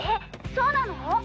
そうなの？